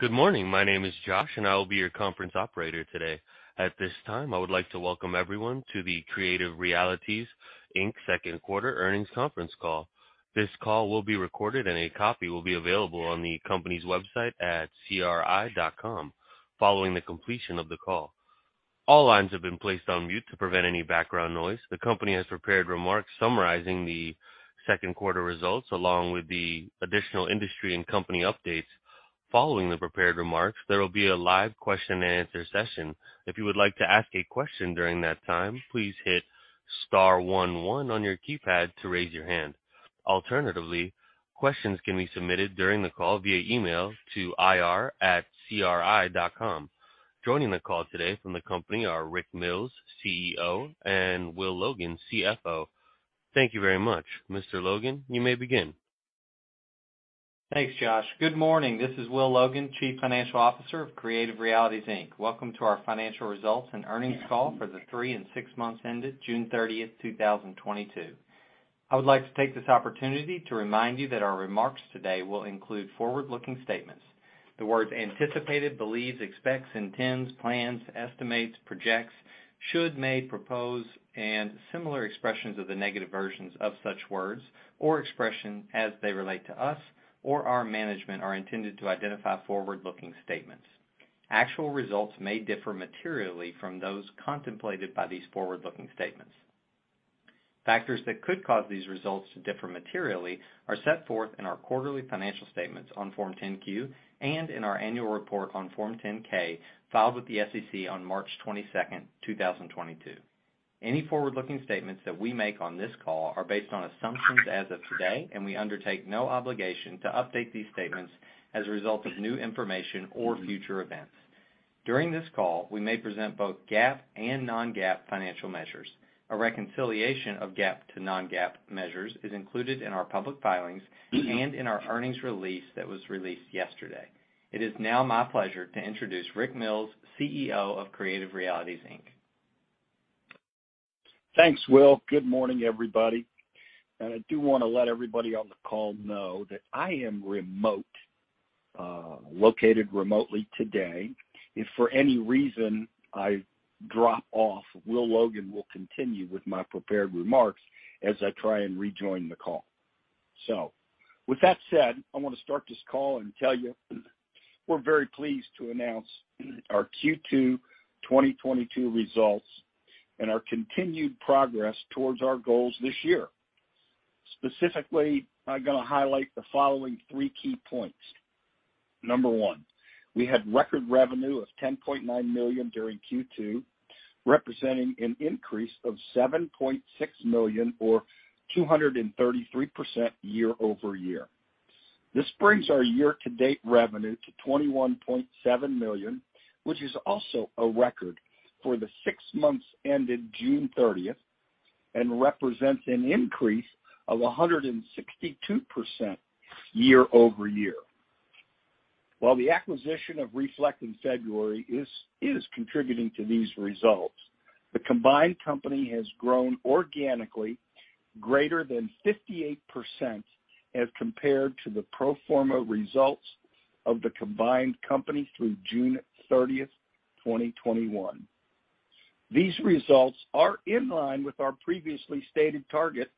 Good morning. My name is Josh, and I will be your conference operator today. At this time, I would like to welcome everyone to the Creative Realities, Inc. second quarter earnings conference call. This call will be recorded, and a copy will be available on the company's website at cri.com following the completion of the call. All lines have been placed on mute to prevent any background noise. The company has prepared remarks summarizing the second quarter results along with the additional industry and company updates. Following the prepared remarks, there will be a live question-and-answer session. If you would like to ask a question during that time, please hit star one one on your keypad to raise your hand. Alternatively, questions can be submitted during the call via email to ir@cri.com. Joining the call today from the company are Rick Mills, CEO, and Will Logan, CFO. Thank you very much. Mr. Logan, you may begin. Thanks, Josh. Good morning. This is Will Logan, Chief Financial Officer of Creative Realities, Inc. Welcome to our financial results and earnings call for the three and six months ended June 30th, 2022. I would like to take this opportunity to remind you that our remarks today will include forward-looking statements. The words anticipated, believes, expects, intends, plans, estimates, projects, should, may, propose, and similar expressions of the negative versions of such words or expression as they relate to us or our management are intended to identify forward-looking statements. Actual results may differ materially from those contemplated by these forward-looking statements. Factors that could cause these results to differ materially are set forth in our quarterly financial statements on Form 10-Q and in our annual report on Form 10-K filed with the SEC on March 22nd, 2022. Any forward-looking statements that we make on this call are based on assumptions as of today, and we undertake no obligation to update these statements as a result of new information or future events. During this call, we may present both GAAP and non-GAAP financial measures. A reconciliation of GAAP to non-GAAP measures is included in our public filings and in our earnings release that was released yesterday. It is now my pleasure to introduce Rick Mills, CEO of Creative Realities, Inc. Thanks, Will. Good morning, everybody. I do want to let everybody on the call know that I am located remotely today. If for any reason I drop off, Will Logan will continue with my prepared remarks as I try and rejoin the call. With that said, I want to start this call and tell you we're very pleased to announce our Q2 2022 results and our continued progress towards our goals this year. Specifically, I'm going to highlight the following three key points. Number one, we had record revenue of $10.9 million during Q2, representing an increase of $7.6 million or 233% year-over-year. This brings our year-to-date revenue to $21.7 million, which is also a record for the six months ended June 30th and represents an increase of 162% year-over-year. While the acquisition of Reflect in February is contributing to these results, the combined company has grown organically greater than 58% as compared to the pro-forma results of the combined company through June 30th, 2021. These results are in line with our previously stated target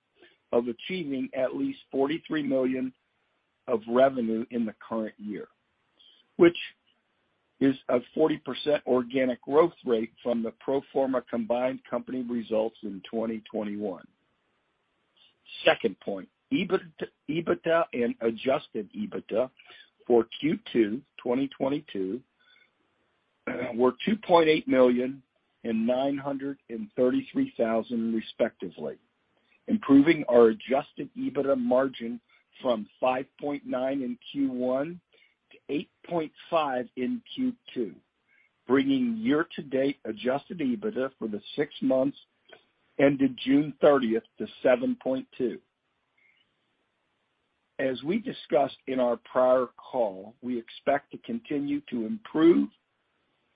of achieving at least $43 million of revenue in the current year, which is a 40% organic growth rate from the pro forma combined company results in 2021. Second point, EBITDA and adjusted EBITDA for Q2 2022 were $2.8 million and $933,000 respectively, improving our adjusted EBITDA margin from 5.9% in Q1 to 8.5% in Q2, bringing year-to-date adjusted EBITDA for the six months ended June 30th to $7.2 million. As we discussed in our prior call, we expect to continue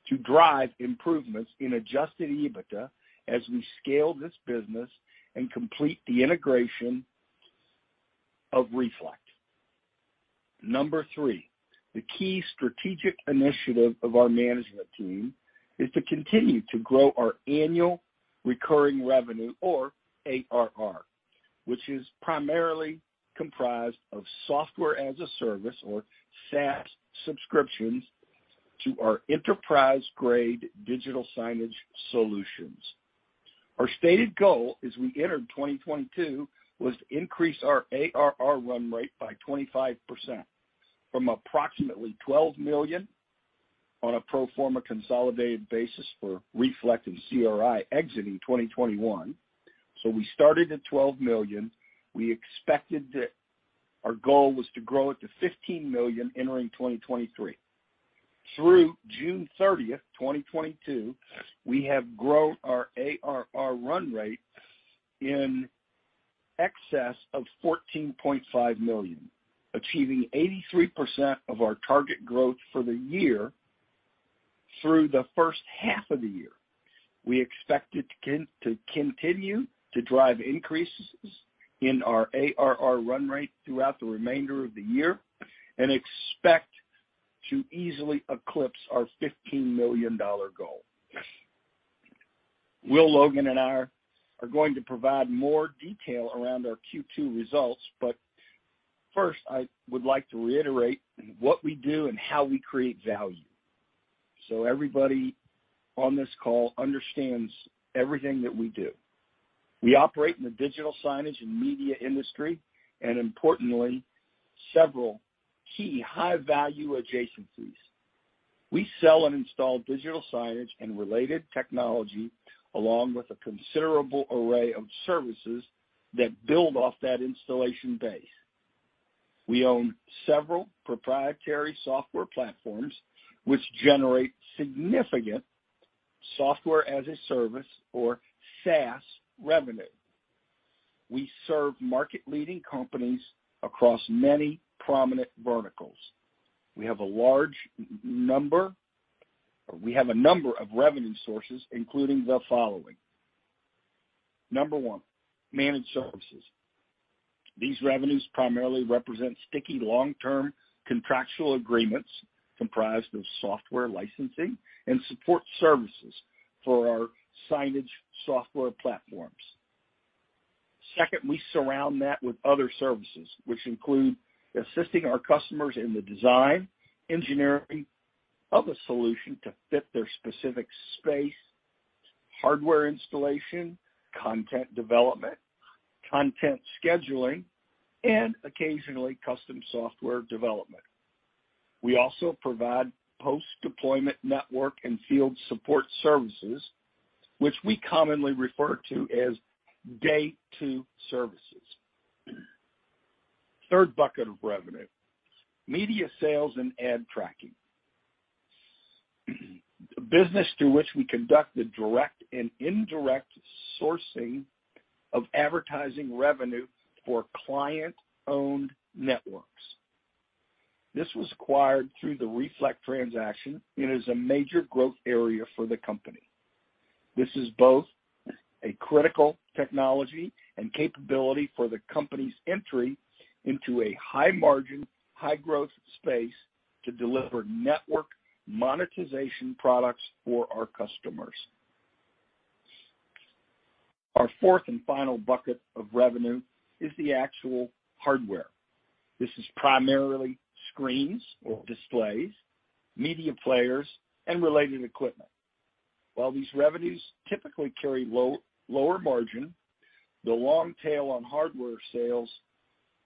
to drive improvements in adjusted EBITDA as we scale this business and complete the integration of Reflect. Number three, the key strategic initiative of our management team is to continue to grow our annual recurring revenue or ARR, which is primarily comprised of software as a service or SaaS subscriptions to our enterprise-grade digital signage solutions. Our stated goal as we entered 2022 was to increase our ARR run rate by 25% from approximately $12 million on a pro forma consolidated basis for Reflect and CRI exiting 2021. We started at $12 million. Our goal was to grow it to $15 million entering 2023. Through June 30th, 2022, we have grown our ARR run rate in excess of $14.5 million, achieving 83% of our target growth for the year through the first half of the year. We expect it to continue to drive increases in our ARR run rate throughout the remainder of the year and expect to easily eclipse our $15 million goal. Will Logan and I are going to provide more detail around our Q2 results, but first, I would like to reiterate what we do and how we create value. Everybody on this call understands everything that we do. We operate in the digital signage and media industry and, importantly, several key high-value adjacencies. We sell and install digital signage and related technology along with a considerable array of services that build off that installation base. We own several proprietary software platforms which generate significant software as a service or SaaS revenue. We serve market-leading companies across many prominent verticals. We have a number of revenue sources, including the following. Number one, managed services. These revenues primarily represent sticky long-term contractual agreements comprised of software licensing and support services for our signage software platforms. Second, we surround that with other services, which include assisting our customers in the design, engineering of a solution to fit their specific space, hardware installation, content development, content scheduling, and occasionally custom software development. We also provide post-deployment network and field support services, which we commonly refer to as day-two services. Third bucket of revenue, media sales and ad tracking, the business through which we conduct the direct and indirect sourcing of advertising revenue for client-owned networks. This was acquired through the Reflect transaction and is a major growth area for the company. This is both a critical technology and capability for the company's entry into a high-margin, high-growth space to deliver network monetization products for our customers. Our fourth and final bucket of revenue is the actual hardware. This is primarily screens or displays, media players, and related equipment. While these revenues typically carry lower margin, the long tail on hardware sales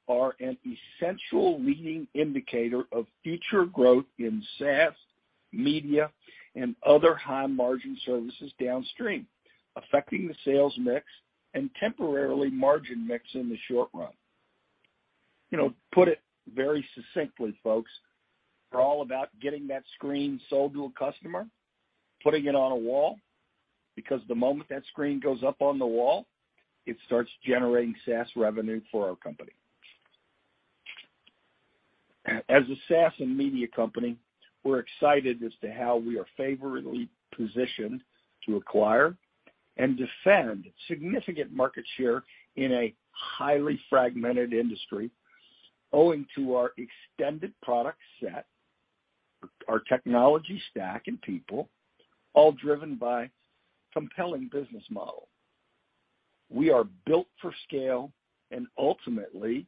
are an essential leading indicator of future growth in SaaS, media, and other high-margin services downstream, affecting the sales mix and temporarily margin mix in the short run. To put it very succinctly, folks, we're all about getting that screen sold to a customer, putting it on a wall, because the moment that screen goes up on the wall, it starts generating SaaS revenue for our company. As a SaaS and media company, we're excited as to how we are favorably positioned to acquire and defend significant market share in a highly fragmented industry owing to our extended product set, our technology stack, and people, all driven by a compelling business model. We are built for scale and ultimately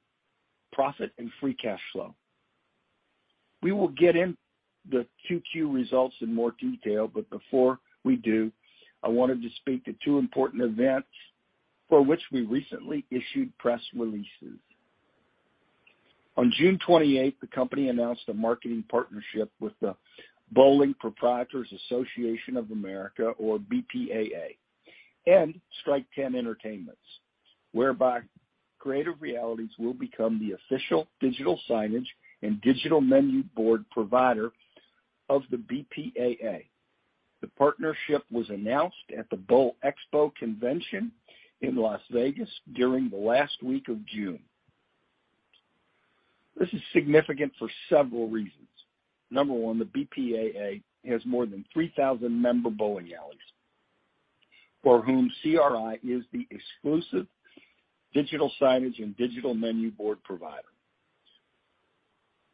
profit and free cash flow. We will get into the Q2 results in more detail, but before we do, I wanted to speak to two important events for which we recently issued press releases. On June 28th, the company announced a marketing partnership with the Bowling Proprietors' Association of America or BPAA and Strike Ten Entertainment, whereby Creative Realities will become the official digital signage and digital menu board provider of the BPAA. The partnership was announced at the International Bowl Expo in Las Vegas during the last week of June. This is significant for several reasons. Number one, the BPAA has more than 3,000 member bowling alleys for whom CRI is the exclusive digital signage and digital menu board provider.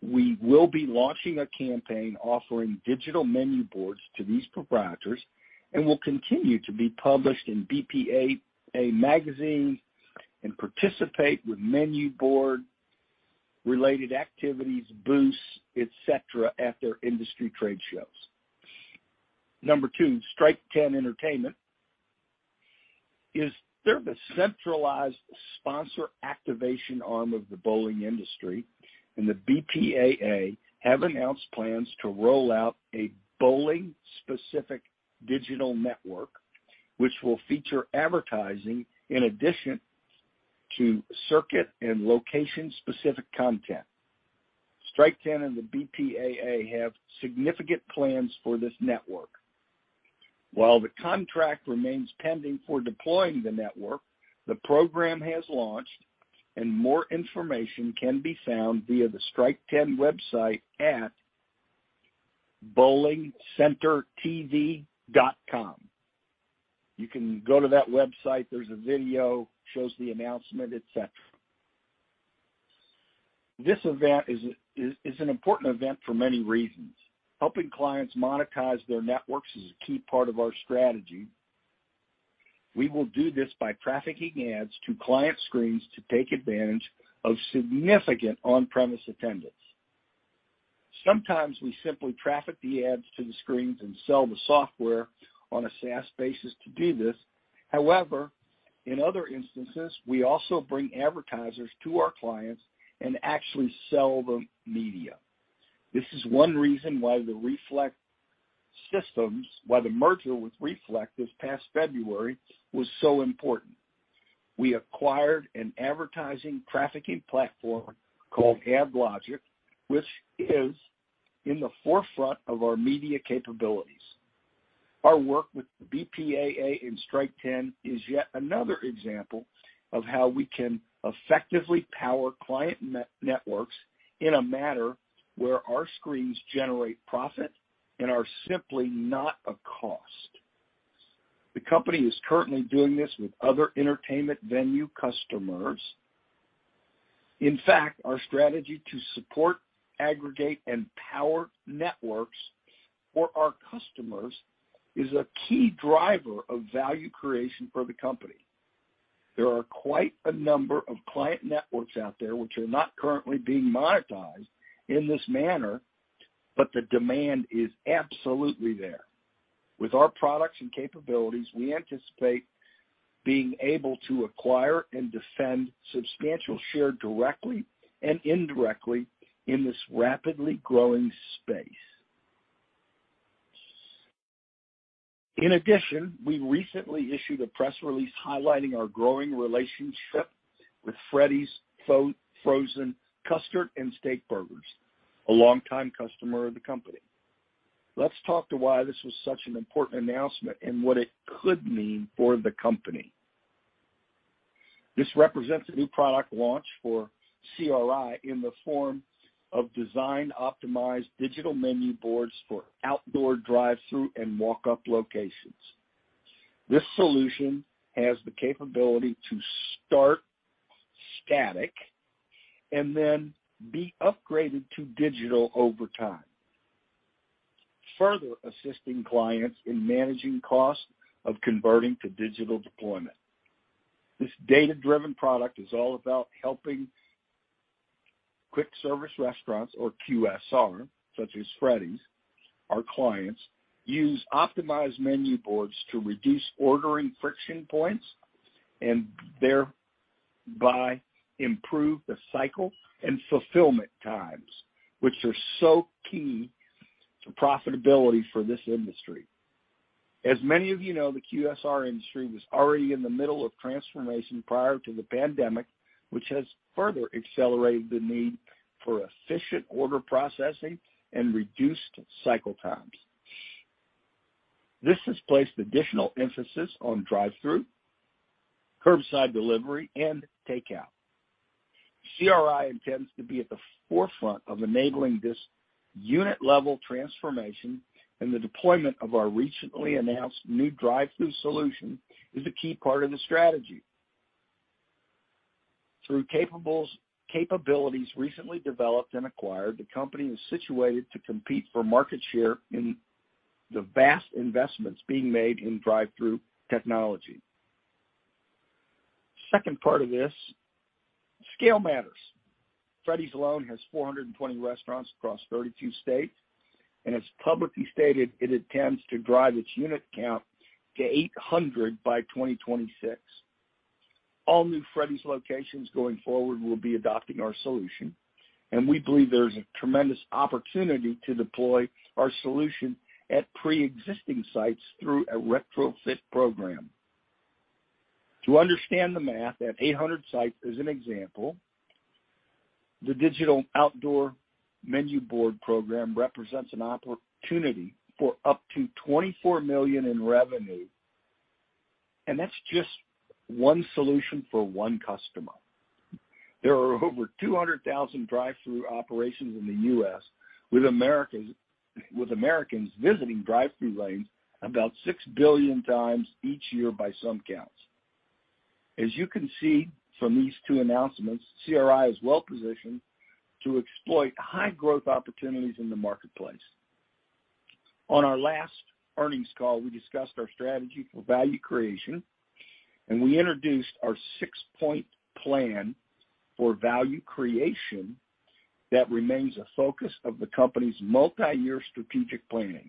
We will be launching a campaign offering digital menu boards to these proprietors and will continue to be published in BPAA magazines and participate with menu board-related activities, booths, etc., at their industry trade shows. Number two, Strike Ten Entertainment, they're the centralized sponsor-activation arm of the bowling industry, and the BPAA have announced plans to roll out a bowling-specific digital network, which will feature advertising in addition to circuit and location-specific content. Strike Ten and the BPAA have significant plans for this network. While the contract remains pending for deploying the network, the program has launched, and more information can be found via the Strike Ten website at bowlingcentertv.com. You can go to that website. There's a video that shows the announcement, etc. This event is an important event for many reasons. Helping clients monetize their networks is a key part of our strategy. We will do this by trafficking ads to client screens to take advantage of significant on-premise attendance. Sometimes we simply traffic the ads to the screens and sell the software on a SaaS basis to do this. However, in other instances, we also bring advertisers to our clients and actually sell them media. This is one reason why the merger with Reflect this past February was so important. We acquired an advertising-trafficking platform called AdLogic, which is in the forefront of our media capabilities. Our work with the BPAA and Strike Ten is yet another example of how we can effectively power client networks in a manner where our screens generate profit and are simply not a cost. The company is currently doing this with other entertainment venue customers. In fact, our strategy to support, aggregate, and power networks for our customers is a key driver of value creation for the company. There are quite a number of client networks out there which are not currently being monetized in this manner, but the demand is absolutely there. With our products and capabilities, we anticipate being able to acquire and defend substantial share directly and indirectly in this rapidly growing space. In addition, we recently issued a press release highlighting our growing relationship with Freddy's Frozen Custard & Steakburgers, a longtime customer of the company. Let's talk to why this was such an important announcement and what it could mean for the company. This represents a new product launch for CRI in the form of design-optimized digital menu boards for outdoor drive-through and walk-up locations. This solution has the capability to start static and then be upgraded to digital over time, further assisting clients in managing costs of converting to digital deployment. This data-driven product is all about helping quick-service restaurants or QSR, such as Freddy's, our clients use optimized menu boards to reduce ordering friction points and thereby improve the cycle and fulfillment times, which are so key to profitability for this industry. As many of you know, the QSR industry was already in the middle of transformation prior to the pandemic, which has further accelerated the need for efficient order processing and reduced cycle times. This has placed additional emphasis on drive-through, curbside delivery, and takeout. CRI intends to be at the forefront of enabling this unit-level transformation, and the deployment of our recently announced new drive-through solution is a key part of the strategy. Through capabilities recently developed and acquired, the company is situated to compete for market share in the vast investments being made in drive-through technology. The second part of this, scale matters. Freddy's alone has 420 restaurants across 32 states, and as publicly stated, it intends to drive its unit count to 800 by 2026. All new Freddy's locations going forward will be adopting our solution, and we believe there is a tremendous opportunity to deploy our solution at pre-existing sites through a retrofit program. To understand the math, at 800 sites as an example, the digital outdoor menu board program represents an opportunity for up to $24 million in revenue, and that's just one solution for one customer. There are over 200,000 drive-through operations in the U.S., with Americans visiting drive-through lanes about 6 billion times each year by some counts. As you can see from these two announcements, CRI is well positioned to exploit high-growth opportunities in the marketplace. On our last earnings call, we discussed our strategy for value creation, and we introduced our six-point plan for value creation that remains a focus of the company's multi-year strategic planning.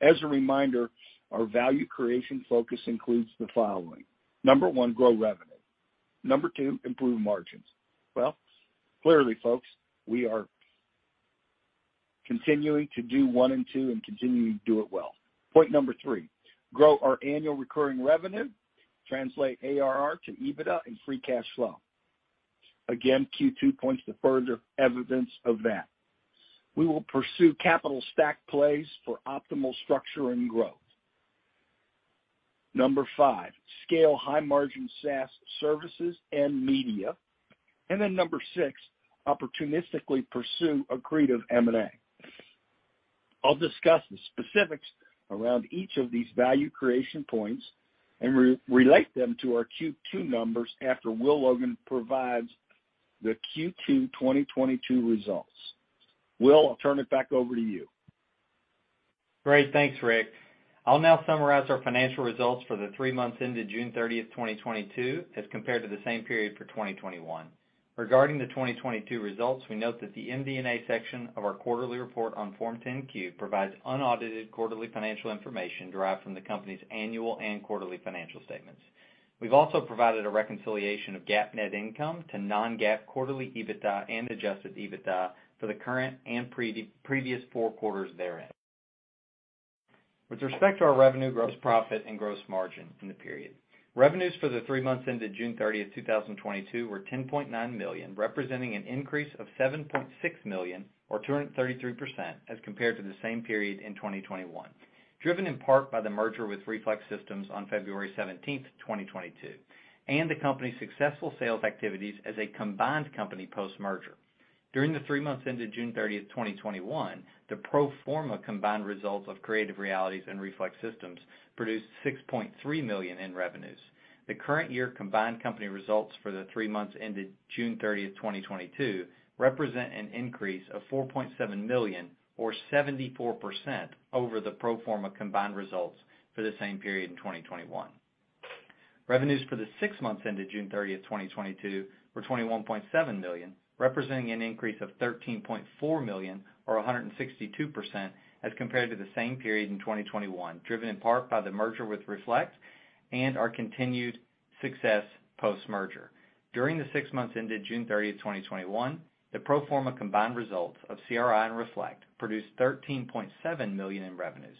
As a reminder, our value creation focus includes the following. Number one, grow revenue. Number two, improve margins. Well, clearly, folks, we are continuing to do one and two and continuing to do it well. Point number three, grow our annual recurring revenue, translate ARR to EBITDA, and free cash flow. Again, Q2 points to further evidence of that. We will pursue capital stack plays for optimal structure and growth. Number five, scale high-margin SaaS services and media. And then number six, opportunistically pursue accretive M&A. I'll discuss the specifics around each of these value creation points and relate them to our Q2 numbers after Will Logan provides the Q2 2022 results. Will, I'll turn it back over to you. Great. Thanks, Rick. I'll now summarize our financial results for the three months ended June 30th, 2022, as compared to the same period for 2021. Regarding the 2022 results, we note that the MD&A section of our quarterly report on Form 10-Q provides unaudited quarterly financial information derived from the company's annual and quarterly financial statements. We've also provided a reconciliation of GAAP net income to non-GAAP quarterly EBITDA and adjusted EBITDA for the current and previous four quarters therein. With respect to our revenue, gross profit, and gross margin in the period, revenues for the three months ended June 30th, 2022, were $10.9 million, representing an increase of $7.6 million or 233% as compared to the same period in 2021, driven in part by the merger with Reflect Systems on February 17th, 2022, and the company's successful sales activities as a combined company post-merger. During the three months ended June 30th, 2021, the pro forma combined results of Creative Realities and Reflect Systems produced $6.3 million in revenues. The current year combined company results for the three months ended June 30th, 2022, represent an increase of $4.7 million or 74% over the pro forma combined results for the same period in 2021. Revenues for the six months ended June 30th, 2022, were $21.7 million, representing an increase of $13.4 million or 162% as compared to the same period in 2021, driven in part by the merger with Reflect and our continued success post-merger. During the six months ended June 30th, 2021, the pro forma combined results of CRI and Reflect produced $13.7 million in revenues.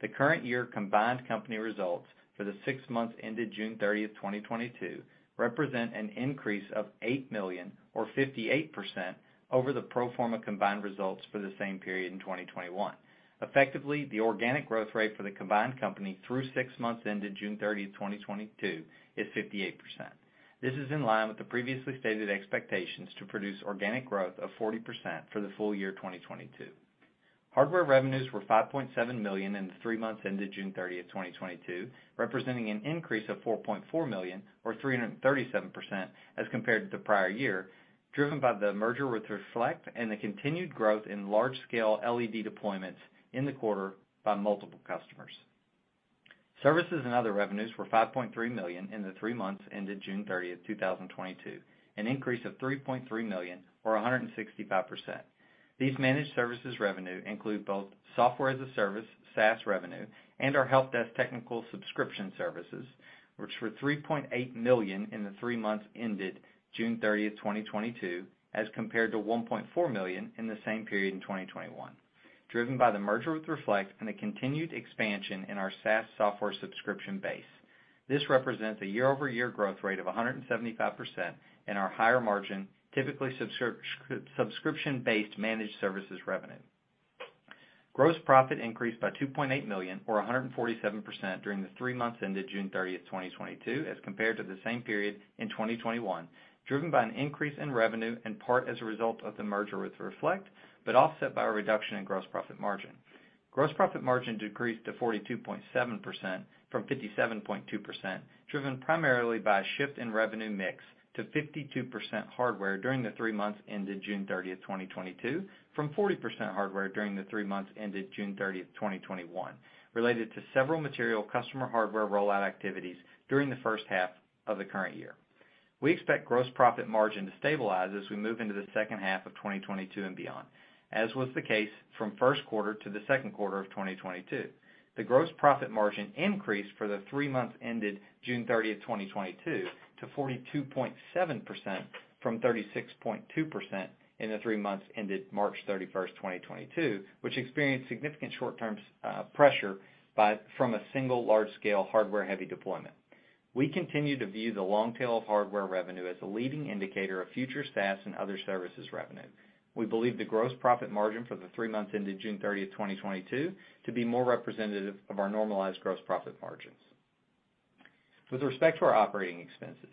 The current year combined company results for the six months ended June 30th, 2022, represent an increase of $8 million or 58% over the pro forma combined results for the same period in 2021. Effectively, the organic growth rate for the combined company through six months ended June 30th, 2022, is 58%. This is in line with the previously stated expectations to produce organic growth of 40% for the full year 2022. Hardware revenues were $5.7 million in the three months ended June 30th, 2022, representing an increase of $4.4 million or 337% as compared to the prior year, driven by the merger with Reflect and the continued growth in large-scale LED deployments in the quarter by multiple customers. Services and other revenues were $5.3 million in the three months ended June 30th, 2022, an increase of $3.3 million or 165%. These managed services revenue include both software as a service or SaaS revenue and our help desk technical subscription services, which were $3.8 million in the three months ended June 30th, 2022, as compared to $1.4 million in the same period in 2021, driven by the merger with Reflect and the continued expansion in our SaaS software subscription base. This represents a year-over-year growth rate of 175% in our higher-margin, typically subscription-based managed services revenue. Gross profit increased by $2.8 million or 147% during the three months ended June 30th, 2022, as compared to the same period in 2021, driven by an increase in revenue in part as a result of the merger with Reflect but offset by a reduction in gross profit margin. Gross profit margin decreased to 42.7% from 57.2%, driven primarily by a shift in revenue mix to 52% hardware during the three months ended June 30th, 2022, from 40% hardware during the three months ended June 30th, 2021, related to several material customer hardware rollout activities during the first half of the current year. We expect gross profit margin to stabilize as we move into the second half of 2022 and beyond, as was the case from first quarter to the second quarter of 2022. The gross profit margin increased for the three months ended June 30th, 2022, to 42.7% from 36.2% in the three months ended March 31st, 2022, which experienced significant short-term pressure from a single large-scale hardware-heavy deployment. We continue to view the long tail of hardware revenue as a leading indicator of future SaaS and other services revenue. We believe the gross profit margin for the three months ended June 30th, 2022, to be more representative of our normalized gross profit margins. With respect to our operating expenses,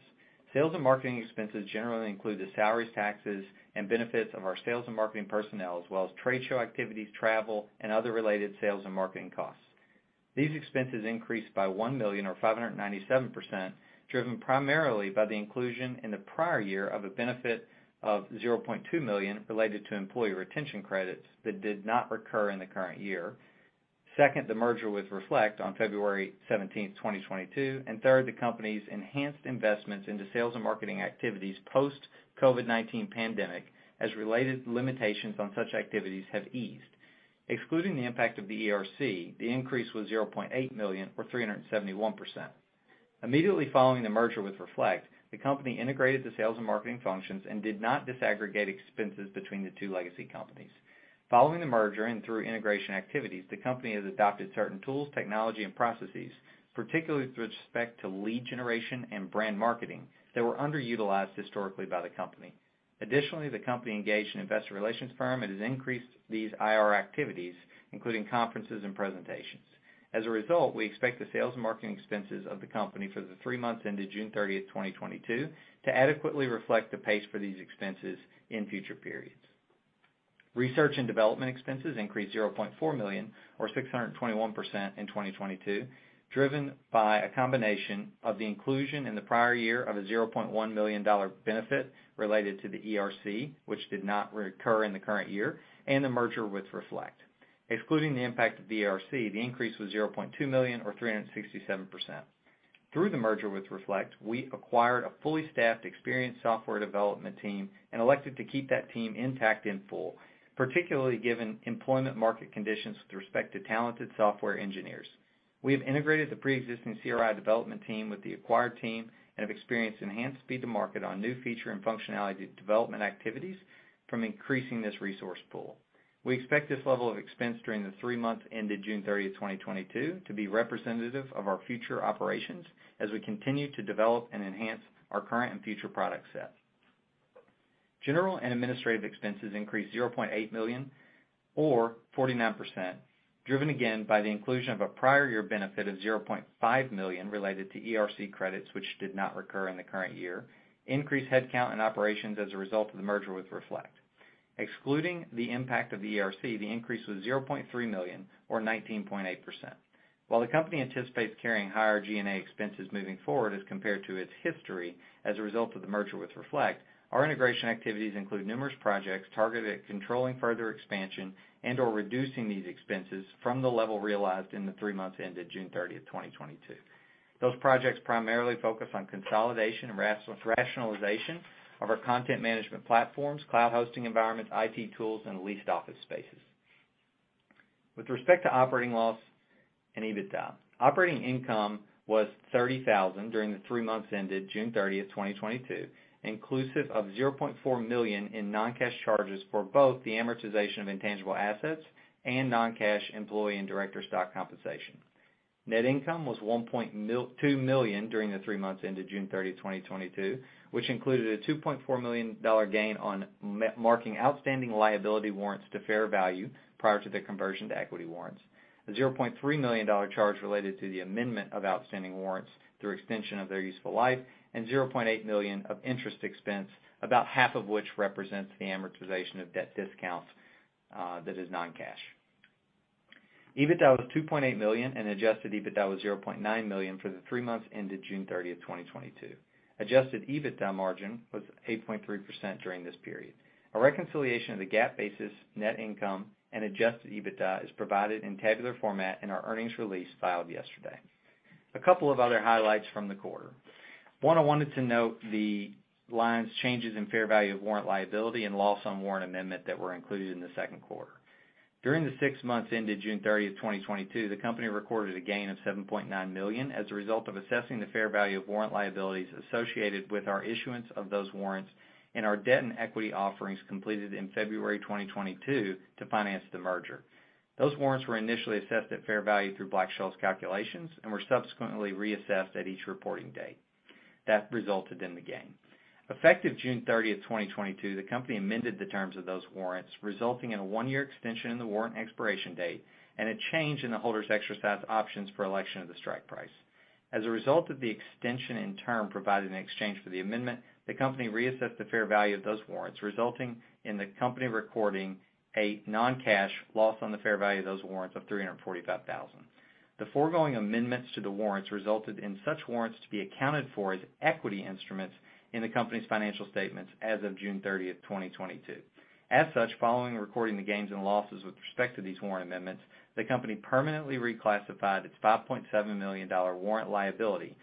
sales and marketing expenses generally include the salaries, taxes, and benefits of our sales and marketing personnel, as well as trade-show activities, travel, and other related sales and marketing costs. These expenses increased by $1 million or 597%, driven primarily by the inclusion in the prior year of a benefit of $0.2 million related to employee retention credits that did not recur in the current year. Second, the merger with Reflect on February 17th, 2022. Third, the company's enhanced investments into sales and marketing activities post-COVID-19 pandemic, as related limitations on such activities have eased. Excluding the impact of the ERC, the increase was $0.8 million or 371%. Immediately following the merger with Reflect, the company integrated the sales and marketing expenses between the two legacy companies. Following the merger and through integration activities, the company has adopted certain tools, technology, and processes, particularly with respect to lead generation and brand marketing that were underutilized historically by the company. Additionally, the company engaged an investor relations firm and has increased these IR activities, including conferences and presentations. As a result, we expect the sales and marketing expenses of the company for the three months ended June 30th, 2022, to adequately reflect the pace for these expenses in future periods. Research and development expenses increased $0.4 million or 621% in 2022, driven by a combination of the inclusion in the prior year of a $0.1 million benefit related to the ERC, which did not recur in the current year, and the merger with Reflect. Excluding the impact of the ERC, the increase was $0.2 million or 367%. Through the merger with Reflect, we acquired a fully staffed, experienced software development team and elected to keep that team intact and full, particularly given employment-market conditions with respect to talented software engineers. We have integrated the pre-existing CRI development team with the acquired team and have experienced enhanced speed to market on new feature and functionality development activities from increasing this resource pool. We expect this level of expense during the three months ended June 30th, 2022, to be representative of our future operations as we continue to develop and enhance our current and future product set. General and administrative expenses increased $0.8 million or 49%, driven again by the inclusion of a prior year benefit of $0.5 million related to ERC credits, which did not recur in the current year, increased headcount and operations as a result of the merger with Reflect. Excluding the impact of the ERC, the increase was $0.3 million or 19.8%. While the company anticipates carrying higher G&A expenses moving forward as compared to its history as a result of the merger with Reflect, our integration activities include numerous projects targeted at controlling further expansion and/or reducing these expenses from the level realized in the three months ended June 30th, 2022. Those projects primarily focus on consolidation and rationalization of our content-management platforms, cloud-hosting environments, IT tools, and leased office spaces. With respect to operating loss and EBITDA, operating income was $30,000 during the three months ended June 30th, 2022, inclusive of $0.4 million in non-cash charges for both the amortization of intangible assets and non-cash employee and director stock compensation. Net income was $1.2 million during the three months ended June 30th, 2022, which included a $2.4 million gain on marking outstanding liability warrants to fair value prior to the conversion to equity warrants, a $0.3 million charge related to the amendment of outstanding warrants through extension of their useful life, and $0.8 million of interest expense, about half of which represents the amortization of debt discounts that is non-cash. EBITDA was $2.8 million, and adjusted EBITDA was $0.9 million for the three months ended June 30th, 2022. Adjusted EBITDA margin was 8.3% during this period. A reconciliation of the GAAP basis net income and adjusted EBITDA is provided in tabular format in our earnings release filed yesterday. A couple of other highlights from the quarter. One, I wanted to note the line changes in fair value of warrant liability and loss on warrant amendment that were included in the second quarter. During the six months ended June 30th, 2022, the company recorded a gain of $7.9 million as a result of assessing the fair value of warrant liabilities associated with our issuance of those warrants and our debt and equity offerings completed in February 2022 to finance the merger. Those warrants were initially assessed at fair value through Black-Scholes calculations and were subsequently reassessed at each reporting date. That resulted in the gain. Effective June 30th, 2022, the company amended the terms of those warrants, resulting in a one-year extension in the warrant expiration date and a change in the holder's exercise options for election of the strike price. As a result of the extension in term provided in exchange for the amendment, the company reassessed the fair value of those warrants, resulting in the company recording a non-cash loss on the fair value of those warrants of $345,000. The foregoing amendments to the warrants resulted in such warrants to be accounted for as equity instruments in the company's financial statements as of June 30th, 2022. As such, following recording the gains and losses with respect to these warrant amendments, the company permanently reclassified its $5.7 million warrant liability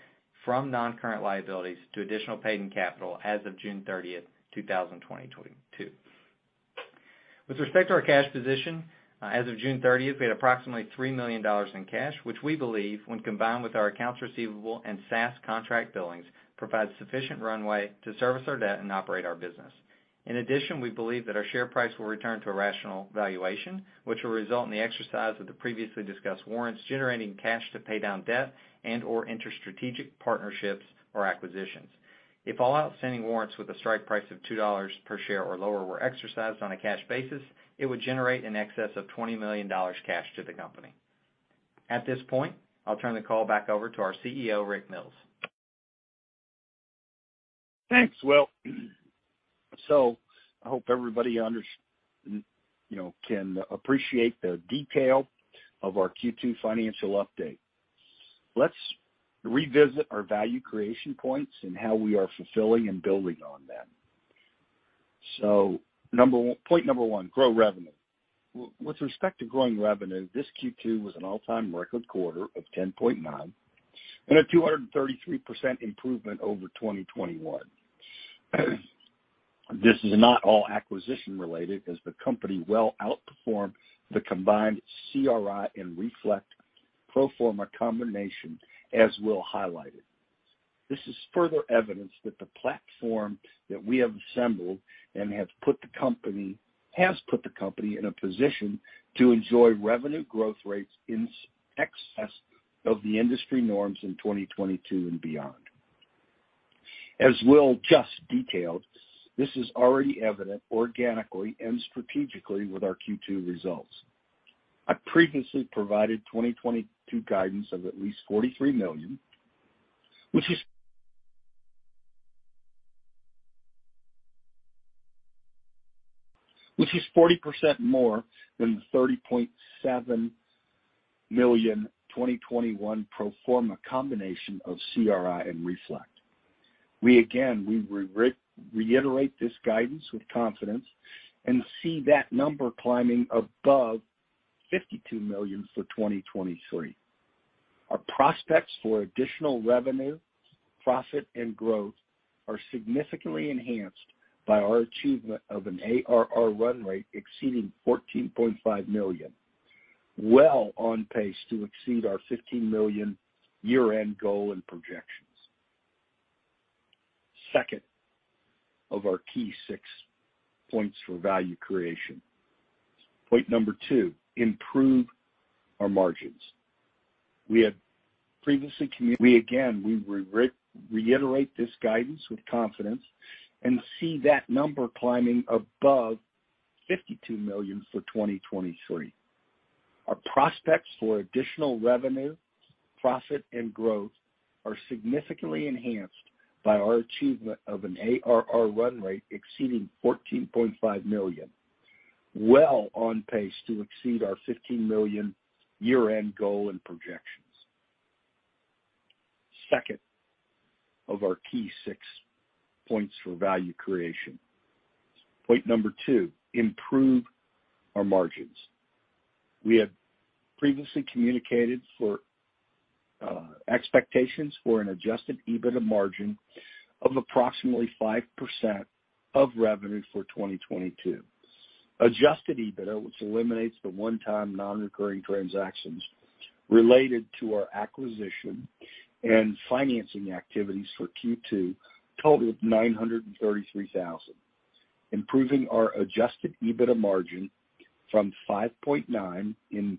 from non-current liabilities to additional paid-in capital as of June 30th, 2022. With respect to our cash position, as of June 30th, we had approximately $3 million in cash, which we believe, when combined with our accounts receivable and SaaS contract billings, provides sufficient runway to service our debt and operate our business. In addition, we believe that our share price will return to a rational valuation, which will result in the exercise of the previously discussed warrants generating cash to pay down debt and/or invest in strategic partnerships or acquisitions. If all outstanding warrants with a strike price of $2 per share or lower were exercised on a cash basis, it would generate an excess of $20 million cash to the company. At this point, I'll turn the call back over to our CEO, Rick Mills. Thanks. Well, I hope everybody can appreciate the detail of our Q2 financial update. Let's revisit our value creation points and how we are fulfilling and building on them. Point number one, grow revenue. With respect to growing revenue, this Q2 was an all-time record quarter of $10.9 million and a 233% improvement over 2021. This is not all acquisition-related as the company well outperformed the combined CRI and Reflect pro forma combination, as Will highlighted. This is further evidence that the platform that we have assembled and has put the company in a position to enjoy revenue growth rates in excess of the industry norms in 2022 and beyond. As Will just detailed, this is already evident organically and strategically with our Q2 results. I previously provided 2022 guidance of at least $43 million, which is 40% more than the $30.7 million 2021 pro forma combination of CRI and Reflect. Again, we reiterate this guidance with confidence and see that number climbing above $52 million for 2023. Our prospects for additional revenue, profit, and growth are significantly enhanced by our achievement of an ARR run rate exceeding $14.5 million, well on pace to exceed our $15 million year-end goal and projections. Second of our key six points for value creation. Point number two, improve our margins. Second of our key six points for value creation. Point number two, improve our margins. We had previously communicated expectations for an adjusted EBITDA margin of approximately 5% of revenue for 2022. Adjusted EBITDA, which eliminates the one-time non-recurring transactions related to our acquisition and financing activities for Q2, totaled $933,000, improving our adjusted EBITDA margin from 5.9% in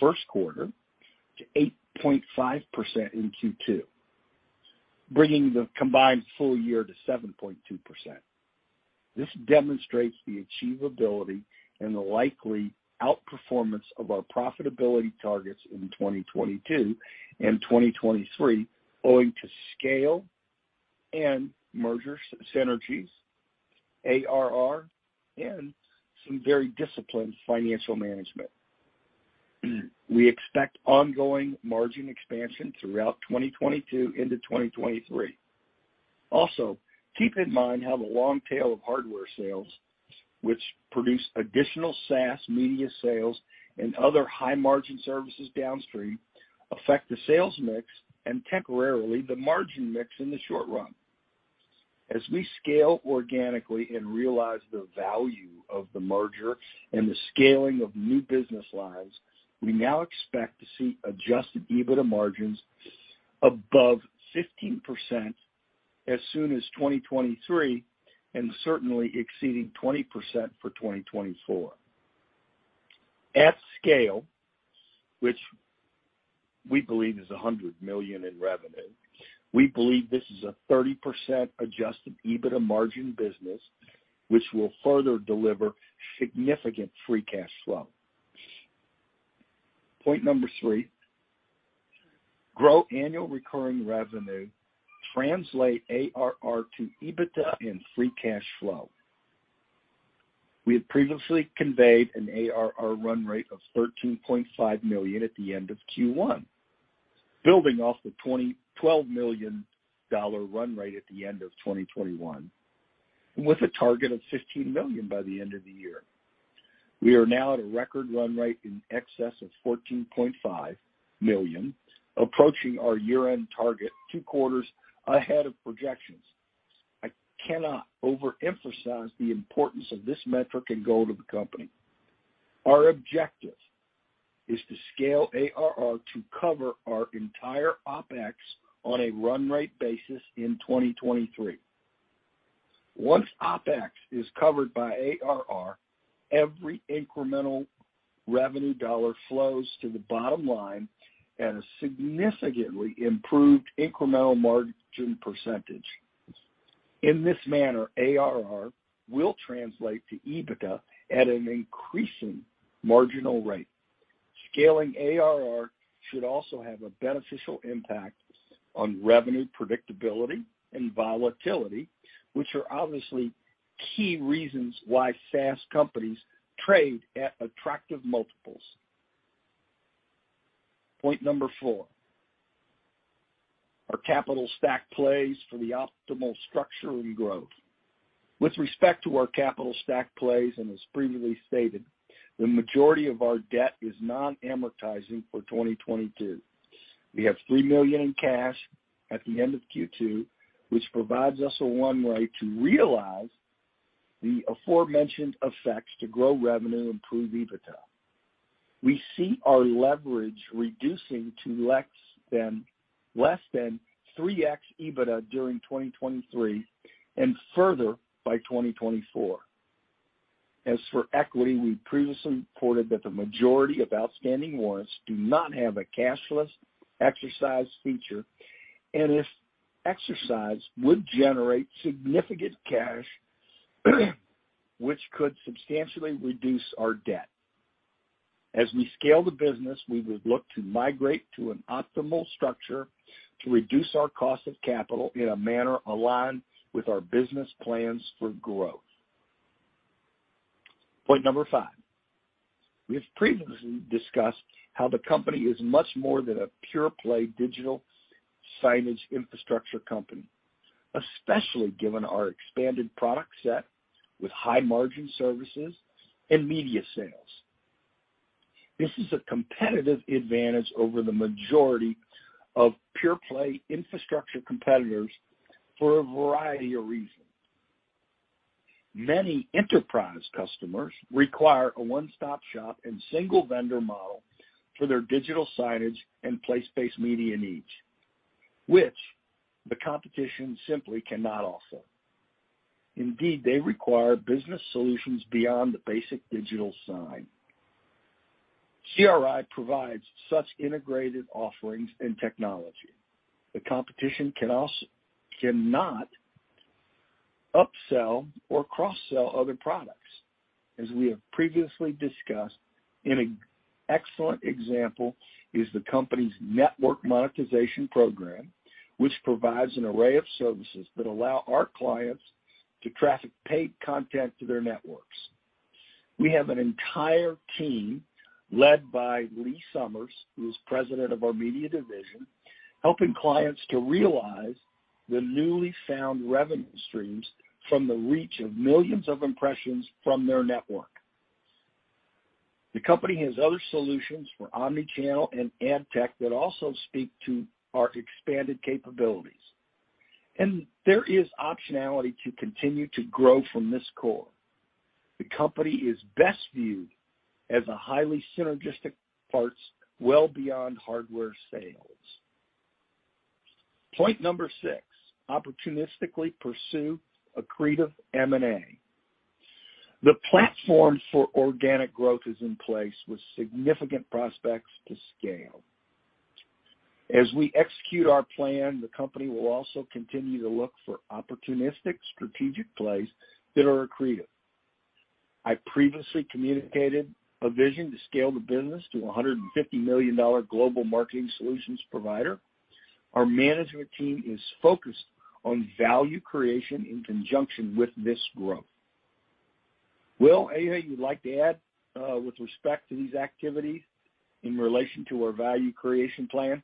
first quarter to 8.5% in Q2, bringing the combined full year to 7.2%. This demonstrates the achievability and the likely outperformance of our profitability targets in 2022 and 2023 owing to scale and merger synergies, ARR, and some very disciplined financial management. We expect ongoing margin expansion throughout 2022 into 2023. Also, keep in mind how the long tail of hardware sales, which produce additional SaaS media sales and other high-margin services downstream, affect the sales mix and temporarily the margin mix in the short run. As we scale organically and realize the value of the merger and the scaling of new business lines, we now expect to see adjusted EBITDA margins above 15% as soon as 2023 and certainly exceeding 20% for 2024. At scale, which we believe is $100 million in revenue, we believe this is a 30% adjusted EBITDA margin business, which will further deliver significant free cash flow. Point number three, grow annual recurring revenue, translate ARR to EBITDA and free cash flow. We had previously conveyed an ARR run rate of $13.5 million at the end of Q1, building off the $12 million run rate at the end of 2021 with a target of $15 million by the end of the year. We are now at a record run rate in excess of $14.5 million, approaching our year-end target two quarters ahead of projections. I cannot overemphasize the importance of this metric and goal to the company. Our objective is to scale ARR to cover our entire OPEX on a run rate basis in 2023. Once OPEX is covered by ARR, every incremental revenue dollar flows to the bottom line at a significantly improved incremental margin percentage. In this manner, ARR will translate to EBITDA at an increasing marginal rate. Scaling ARR should also have a beneficial impact on revenue predictability and volatility, which are obviously key reasons why SaaS companies trade at attractive multiples. Point number four, our capital stack plays for the optimal structure and growth. With respect to our capital stack plays, and as previously stated, the majority of our debt is non-amortizing for 2022. We have $3 million in cash at the end of Q2, which provides us a runway to realize the aforementioned effects to grow revenue and improve EBITDA. We see our leverage reducing to less than 3x EBITDA during 2023 and further by 2024. As for equity, we previously reported that the majority of outstanding warrants do not have a cashless exercise feature, and if exercised would generate significant cash, which could substantially reduce our debt. As we scale the business, we would look to migrate to an optimal structure to reduce our cost of capital in a manner aligned with our business plans for growth. Point number five, we have previously discussed how the company is much more than a pure-play digital signage infrastructure company, especially given our expanded product set with high-margin services and media sales. This is a competitive advantage over the majority of pure-play infrastructure competitors for a variety of reasons. Many enterprise customers require a one-stop shop and single-vendor model for their digital signage and place-based media needs, which the competition simply cannot offer. Indeed, they require business solutions beyond the basic digital sign. CRI provides such integrated offerings and technology. The competition cannot upsell or cross-sell other products. As we have previously discussed, an excellent example is the company's network monetization program, which provides an array of services that allow our clients to traffic paid content to their networks. We have an entire team led by Lee Summers, who is president of our media division, helping clients to realize the newfound revenue streams from the reach of millions of impressions from their network. The company has other solutions for omnichannel and ad tech that also speak to our expanded capabilities. There is optionality to continue to grow from this core. The company is best viewed as a highly synergistic portfolio well beyond hardware sales. Point number six, opportunistically pursue accretive M&A. The platform for organic growth is in place with significant prospects to scale. As we execute our plan, the company will also continue to look for opportunistic strategic plays that are accretive. I previously communicated a vision to scale the business to a $150 million global marketing solutions provider. Our management team is focused on value creation in conjunction with this growth. Will, anything you'd like to add with respect to these activities in relation to our value creation plan?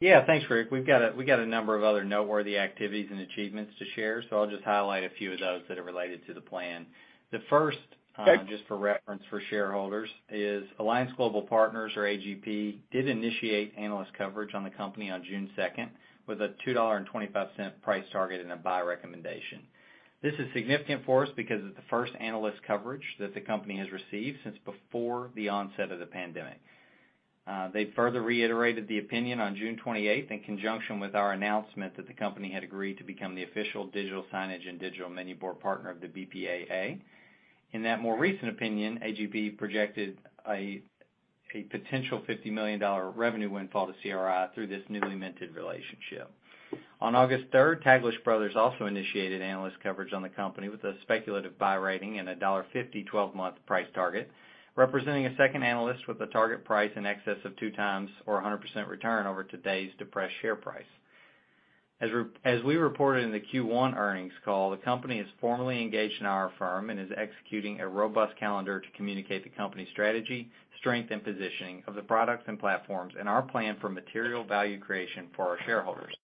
Yeah. Thanks, Rick. We've got a number of other noteworthy activities and achievements to share, so I'll just highlight a few of those that are related to the plan. The first, just for reference for shareholders, is Alliance Global Partners, or AGP, did initiate analyst coverage on the company on June 2nd with a $2.25 price target and a buy recommendation. This is significant for us because it's the first analyst coverage that the company has received since before the onset of the pandemic. They further reiterated the opinion on June 28th in conjunction with our announcement that the company had agreed to become the official digital signage and digital menu board partner of the BPAA. In that more recent opinion, AGP projected a potential $50 million revenue windfall to CRI through this newly minted relationship. On August 3rd, Taglich Brothers also initiated analyst coverage on the company with a speculative buy rating and a $1.50 12-month price target, representing a second analyst with a target price in excess of 2x or 100% return over today's depressed share price. As we reported in the Q1 earnings call, the company is formally engaged our firm and is executing a robust calendar to communicate the company's strategy, strength, and positioning of the products and platforms, and our plan for material value creation for our shareholders.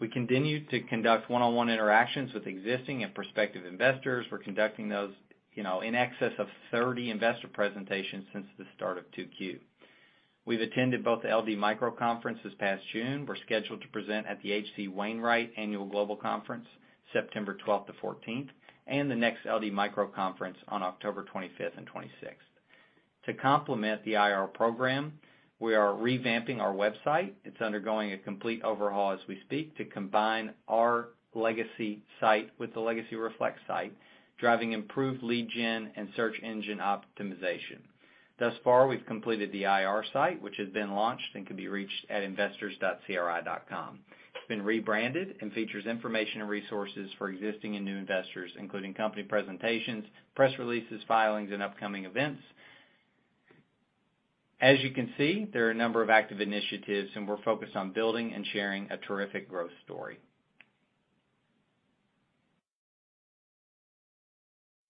We continue to conduct one-on-one interactions with existing and prospective investors. We're conducting those in excess of 30 investor presentations since the start of 2Q. We've attended both the LD Micro Conference this past June. We're scheduled to present at the H.C. Wainwright Annual Global Conference, September 12th to 14th, and the next LD Micro Conference on October 25th and 26th. To complement the IR program, we are revamping our website. It's undergoing a complete overhaul as we speak to combine our legacy site with the legacy Reflect site, driving improved lead gen and search engine optimization. Thus far, we've completed the IR site, which has been launched and can be reached at investors.cri.com. It's been rebranded and features information and resources for existing and new investors, including company presentations, press releases, filings, and upcoming events. As you can see, there are a number of active initiatives, and we're focused on building and sharing a terrific growth story.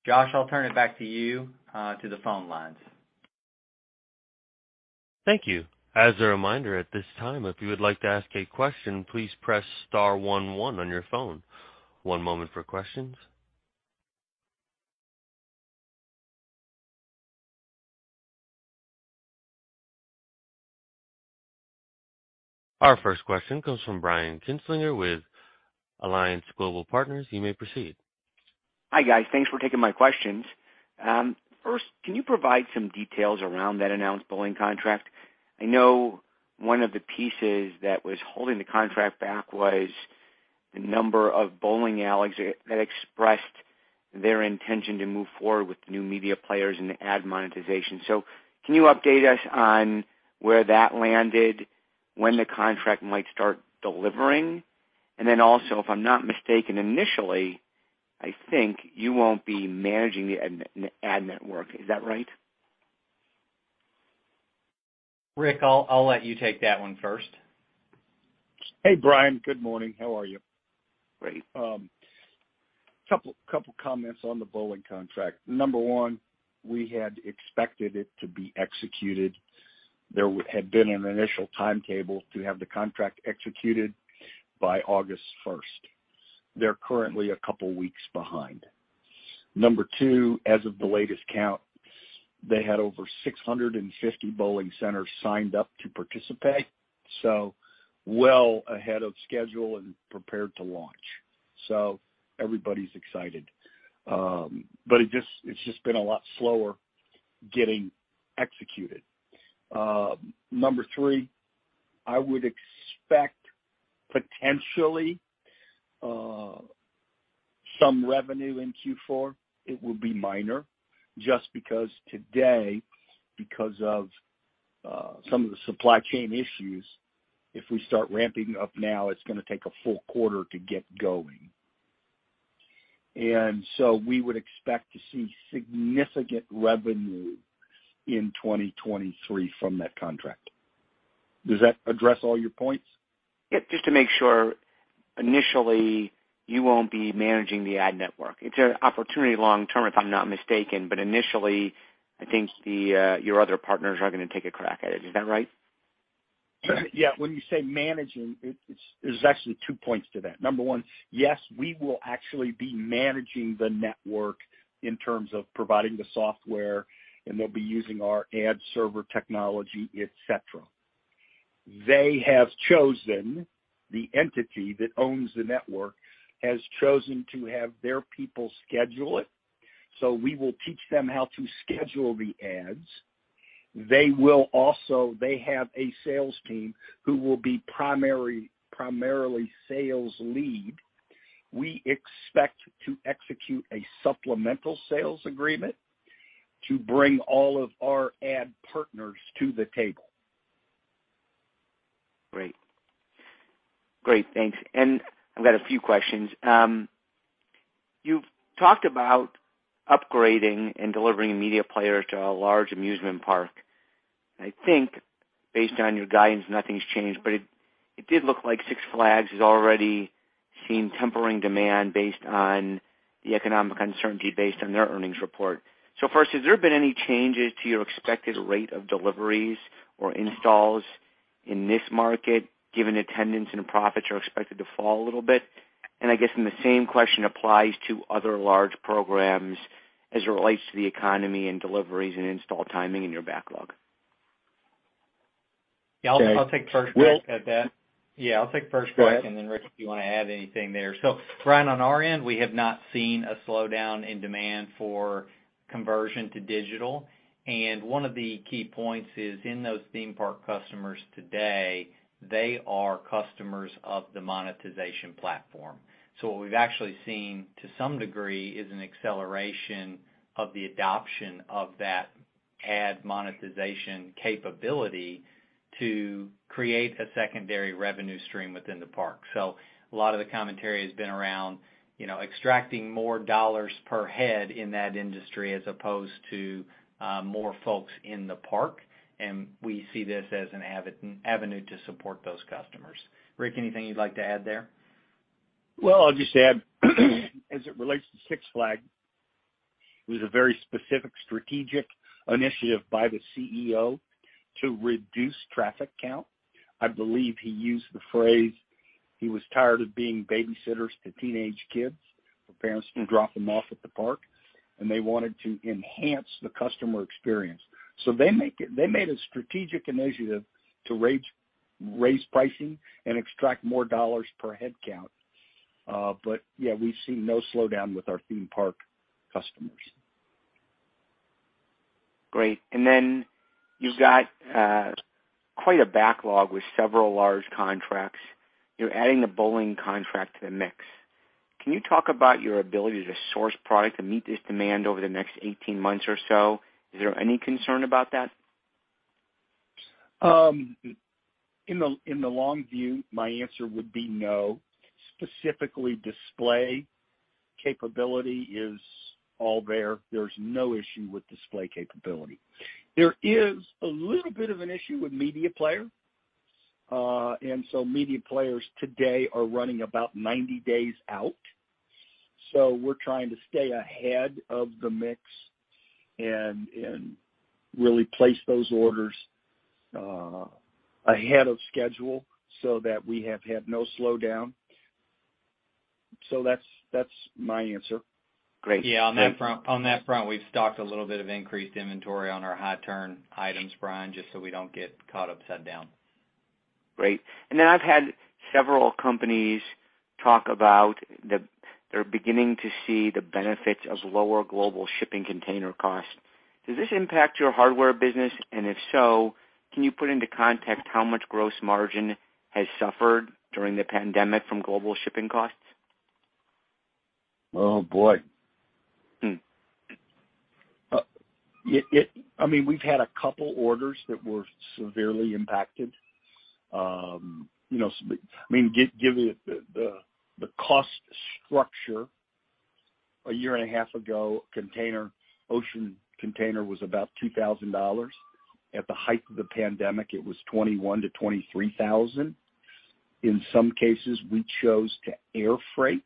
Josh, I'll turn it back to you to the phone lines. Thank you. As a reminder, at this time, if you would like to ask a question, please press star 11 on your phone. One moment for questions. Our first question comes from Brian Kinstlinger with Alliance Global Partners. You may proceed. Hi, guys. Thanks for taking my questions. First, can you provide some details around that announced bowling contract? I know one of the pieces that was holding the contract back was the number of bowling alleys that expressed their intention to move forward with the new media players and the ad monetization. Can you update us on where that landed, when the contract might start delivering? Then also, if I'm not mistaken, initially, I think you won't be managing the ad network. Is that right? Rick, I'll let you take that one first. Hey, Brian. Good morning. How are you? Great. A couple of comments on the bowling contract. Number one, we had expected it to be executed. There had been an initial timetable to have the contract executed by August 1st. They're currently a couple of weeks behind. Number two, as of the latest count, they had over 650 bowling centers signed up to participate, so well ahead of schedule and prepared to launch. Everybody's excited. It's just been a lot slower getting executed. Number three, I would expect potentially some revenue in Q4. It will be minor just because today, because of some of the supply-chain issues, if we start ramping up now, it's going to take a full quarter to get going. We would expect to see significant revenue in 2023 from that contract. Does that address all your points? Yep. Just to make sure, initially, you won't be managing the ad network. It's an opportunity long term, if I'm not mistaken, but initially, I think your other partners are going to take a crack at it. Is that right? Yeah. When you say managing, there's actually two points to that. Number one, yes, we will actually be managing the network in terms of providing the software, and they'll be using our ad server technology, etc. They have chosen. The entity that owns the network has chosen to have their people schedule it. We will teach them how to schedule the ads. They have a sales team who will be primarily sales lead. We expect to execute a supplemental sales agreement to bring all of our ad partners to the table. Great. Thanks. I've got a few questions. You've talked about upgrading and delivering media players to a large amusement park. I think, based on your guidance, nothing's changed, but it did look like Six Flags has already seen tempering demand based on the economic uncertainty based on their earnings report. First, have there been any changes to your expected rate of deliveries or installs in this market, given attendance and profits are expected to fall a little bit? I guess the same question applies to other large programs as it relates to the economy and deliveries and install timing in your backlog. Yeah. I'll take first crack at that. Then, Rick, if you want to add anything there. Brian, on our end, we have not seen a slowdown in demand for conversion to digital. One of the key points is in those theme-park customers today, they are customers of the monetization platform. What we've actually seen, to some degree, is an acceleration of the adoption of that ad-monetization capability to create a secondary revenue stream within the park. A lot of the commentary has been around extracting more dollars per head in that industry as opposed to more folks in the park. We see this as an avenue to support those customers. Rick, anything you'd like to add there? Well, I'll just add, as it relates to Six Flags, it was a very specific strategic initiative by the CEO to reduce traffic count. I believe he used the phrase he was tired of being babysitters to teenage kids for parents to drop them off at the park, and they wanted to enhance the customer experience. They made a strategic initiative to raise pricing and extract more dollars per headcount. Yeah, we've seen no slowdown with our theme-park customers. Great. You've got quite a backlog with several large contracts. You're adding the bowling contract to the mix. Can you talk about your ability to source product to meet this demand over the next 18 months or so? Is there any concern about that? In the long view, my answer would be no. Specifically, display capability is all there. There's no issue with display capability. There is a little bit of an issue with media player. Media players today are running about 90 days out. We're trying to stay ahead of the mix and really place those orders ahead of schedule so that we have had no slowdown. That's my answer. Great. Yeah. On that front, we've stocked a little bit of increased inventory on our high-turn items, Brian, just so we don't get caught upside down. Great. I've had several companies talk about their beginning to see the benefits of lower global shipping container costs. Does this impact your hardware business? And if so, can you put into context how much gross margin has suffered during the pandemic from global shipping costs? Oh, boy. I mean, we've had a couple of orders that were severely impacted. I mean, give the cost structure. 1.5 year ago, ocean container was about $2,000. At the height of the pandemic, it was $21,000-$23,000. In some cases, we chose to air freight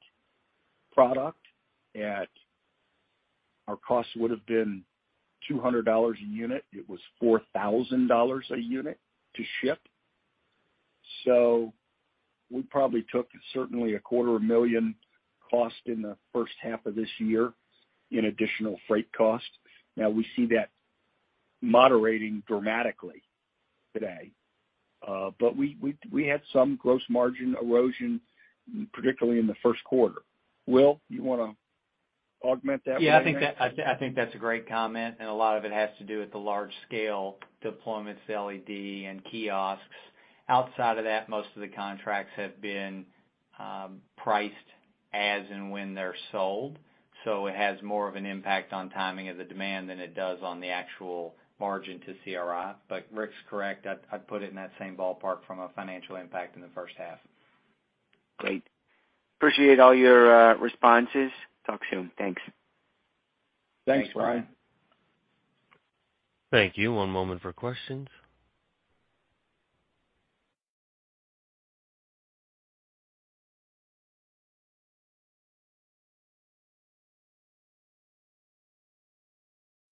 product. Our cost would have been $200 a unit. It was $4,000 a unit to ship. So we probably took certainly a $250,000 cost in the first half of this year in additional freight costs. Now, we see that moderating dramatically today. We had some gross margin erosion, particularly in the first quarter. Will, you want to augment that one? Yeah. I think that's a great comment. A lot of it has to do with the large-scale deployments of LED and kiosks. Outside of that, most of the contracts have been priced as and when they're sold. It has more of an impact on timing of the demand than it does on the actual margin to CRI. Rick's correct. I'd put it in that same ballpark from a financial impact in the first half. Great. Appreciate all your responses. Talk soon. Thanks. Thanks, Brian. Thank you. One moment for questions.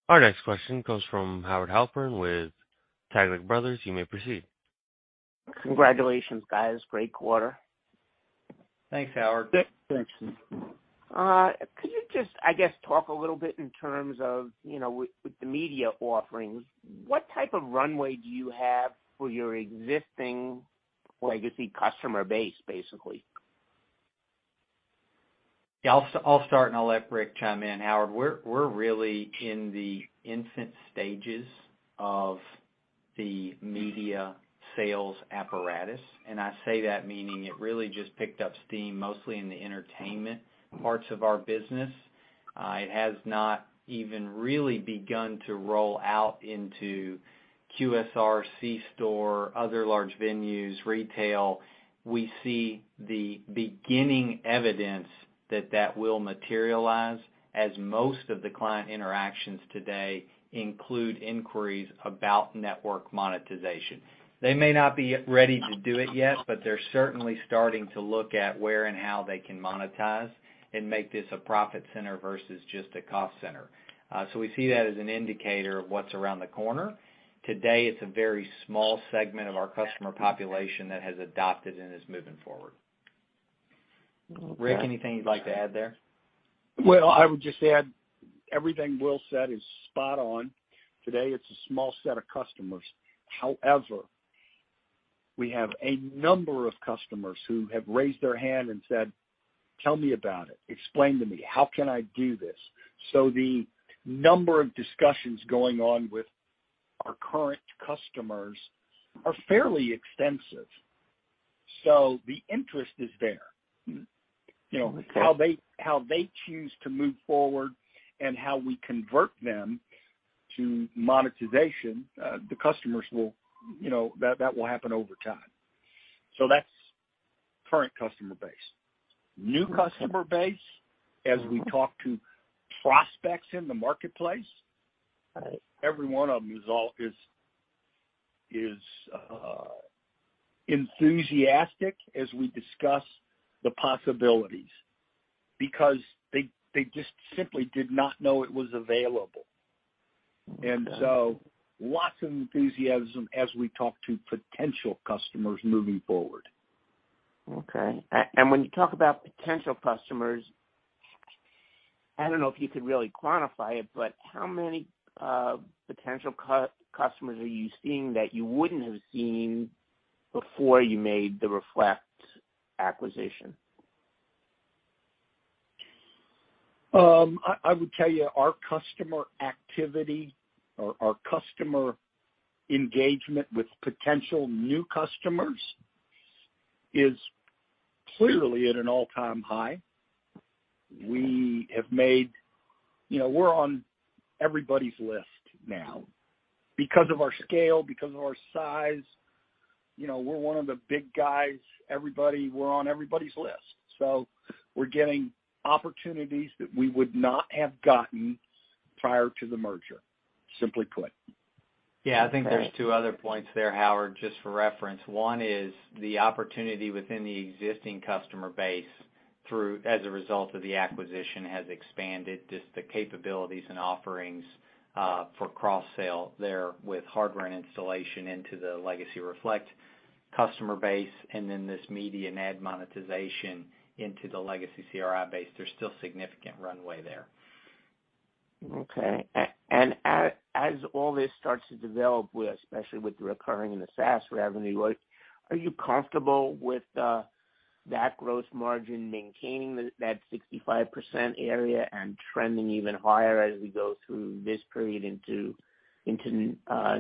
Our next question comes from Howard Halpern with Taglich Brothers. You may proceed. Congratulations, guys. Great quarter. Thanks, Howard. Thanks. Could you just, I guess, talk a little bit in terms of with the media offerings, what type of runway do you have for your existing legacy customer base, basically? Yeah. I'll start, and I'll let Rick chime in. Howard, we're really in the infant stages of the media sales apparatus. I say that meaning it really just picked up steam mostly in the entertainment parts of our business. It has not even really begun to roll out into QSR, C-store, other large venues, retail. We see the beginning evidence that that will materialize as most of the client interactions today include inquiries about network monetization. They may not be ready to do it yet, but they're certainly starting to look at where and how they can monetize and make this a profit center versus just a cost center. We see that as an indicator of what's around the corner. Today, it's a very small segment of our customer population that has adopted and is moving forward. Rick, anything you'd like to add there? Well, I would just add everything Will said is spot on. Today, it's a small set of customers. However, we have a number of customers who have raised their hand and said, "Tell me about it. Explain to me. How can I do this?" The number of discussions going on with our current customers are fairly extensive. The interest is there. How they choose to move forward and how we convert them to monetization, the customers will that will happen over time. That's current customer base. New customer base. As we talk to prospects in the marketplace, every one of them is enthusiastic as we discuss the possibilities because they just simply did not know it was available. Lots of enthusiasm as we talk to potential customers moving forward. Okay. When you talk about potential customers, I don't know if you could really quantify it, but how many potential customers are you seeing that you wouldn't have seen before you made the Reflect acquisition? I would tell you our customer activity or our customer engagement with potential new customers is clearly at an all-time high. We're on everybody's list now because of our scale, because of our size. We're one of the big guys. We're on everybody's list. We're getting opportunities that we would not have gotten prior to the merger, simply put. Yeah. I think there's two other points there, Howard, just for reference. One is the opportunity within the existing customer base as a result of the acquisition has expanded, just the capabilities and offerings for cross-sale there with hardware and installation into the legacy Reflect customer base and then this media and ad monetization into the legacy CRI base. There's still significant runway there. Okay. As all this starts to develop, especially with the recurring and the SaaS revenue, are you comfortable with that gross margin maintaining that 65% area and trending even higher as we go through this period into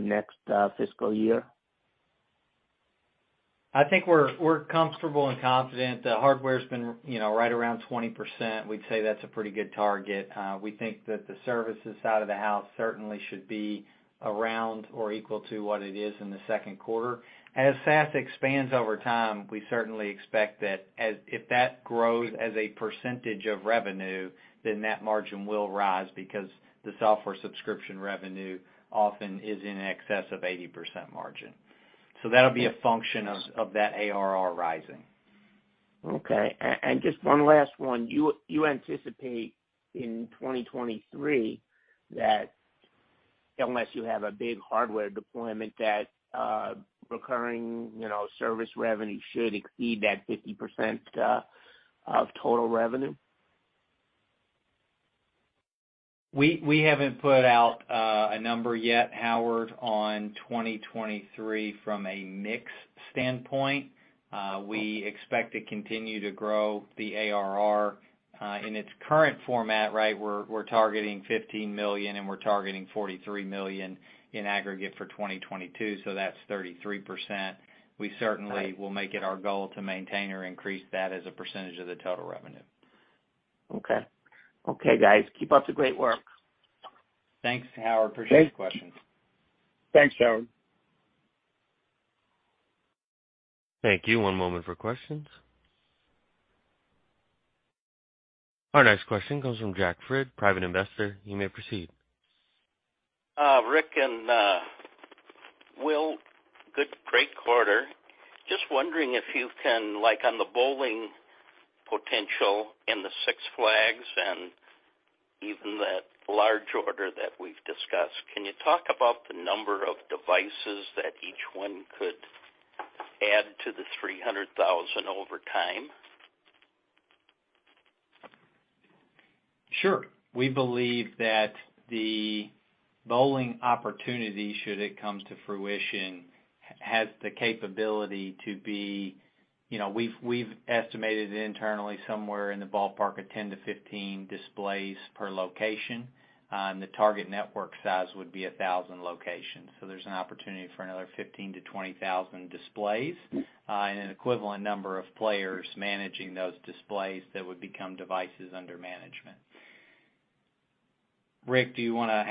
next fiscal year? I think we're comfortable and confident. The hardware's been right around 20%. We'd say that's a pretty good target. We think that the services side of the house certainly should be around or equal to what it is in the second quarter. As SaaS expands over time, we certainly expect that if that grows as a percentage of revenue, then that margin will rise because the software subscription revenue often is in excess of 80% margin. That'll be a function of that ARR rising. Okay. Just one last one. You anticipate in 2023 that unless you have a big hardware deployment, that recurring service revenue should exceed that 50% of total revenue? We haven't put out a number yet, Howard, on 2023 from a mixed standpoint. We expect to continue to grow the ARR in its current format, right? We're targeting $15 million, and we're targeting $43 million in aggregate for 2022. That's 33%. We certainly will make it our goal to maintain or increase that as a percentage of the total revenue. Okay. Okay, guys. Keep up the great work. Thanks, Howard. Appreciate the questions. Thanks, Howard. Thank you. One moment for questions. Our next question comes from Jack Frid, Private Investor. You may proceed. Rick and Will, good. Great quarter. Just wondering if you can comment on the bowling potential in the Six Flags and even that large order that we've discussed, can you talk about the number of devices that each one could add to the 300,000 over time? Sure. We believe that the bowling opportunity, should it come to fruition, has the capability to be, we've estimated internally somewhere in the ballpark of 10-15 displays per location. The target network size would be 1,000 locations. There's an opportunity for another 15,000-20,000 displays and an equivalent number of players managing those displays that would become devices under management. Rick, do you have